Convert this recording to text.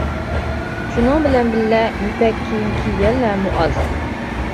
شۇنىڭ بىلەن بىللە، يىپەك كىيىم كىيگەنلەرمۇ ئاز.